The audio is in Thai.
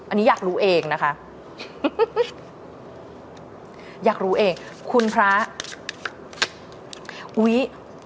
อันนี้อยากรู้เองนะคะอยากรู้เองคุณพระอุ๊ย